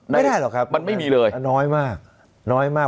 ไม่ได้หรอกครับมันไม่มีเลยน้อยมาก